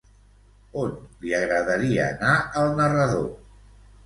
On li agradaria anar al narrador?